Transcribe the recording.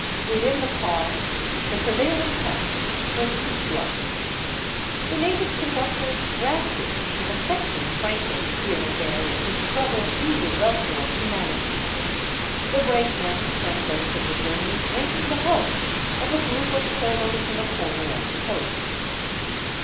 Within the car the prevailing tongue was Quichua. The native conductor " grafted " with a fetch ing frankness here and there in his struggle through the welter of hu manity; the brakemen spent most of the journey drinking the health of a group of cholos in a corner of the coach.